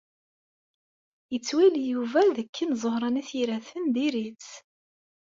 Yettwali Yuba dakken Ẓuhṛa n At Yiraten dir-itt.